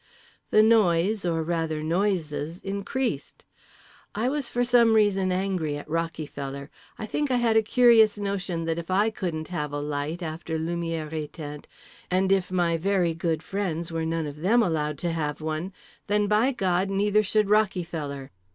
The noise, or rather noises, increased. I was for some reason angry at Rockyfeller—I think I had a curious notion that if I couldn't have a light after "lumières éteintes," and if my very good friends were none of them allowed to have one, then, by God! neither should Rockyfeller.